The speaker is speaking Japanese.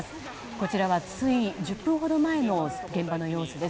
こちらは、つい１０分ほど前の現場の様子です。